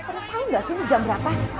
tahu gak sih ini jam berapa